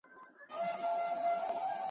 ولي د اسلام دين اسانه دی او حرج نلري؟